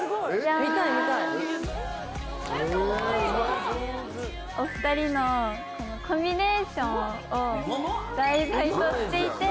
・・上手・お２人のコンビネーションを題材としていて。